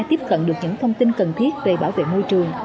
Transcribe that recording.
tiếp cận được những thông tin cần thiết về bảo vệ môi trường